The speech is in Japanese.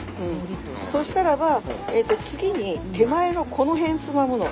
そしたらば次に手前のこの辺つまむの。